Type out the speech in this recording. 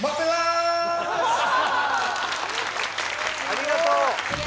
ありがとう